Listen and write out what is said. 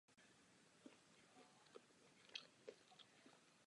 Dokážeme to zajistit.